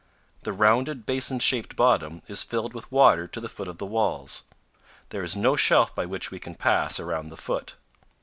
The rounded, basin shaped bottom is filled with water to the foot of the walls. There is no shelf by which we can pass around the foot.